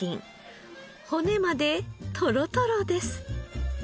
骨までトロトロです。